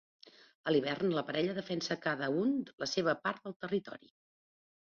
A l'hivern, la parella defensa cada un la seva part del territori.